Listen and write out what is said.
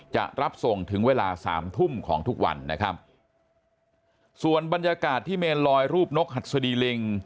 จะรับส่งถึงเวลาสามทุ่มของทุกวันนะครับส่วนบรรยากาศที่เมนลอยรูปนกหัดสดีลิง